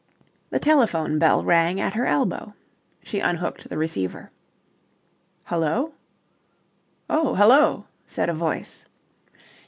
The telephone bell rang at her elbow. She unhooked the receiver. "Hullo?" "Oh, hullo," said a voice.